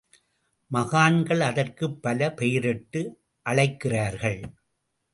மகான்கள் அதற்குப் பல பெயரிட்டு அழைக்கிறார்கள்.